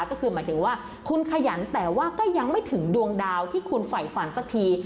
ก็คือหมายถึงว่าคุณขยันแต่ว่าก็ยังไม่ถึงดวงดาวที่คุณไฝฝันสักที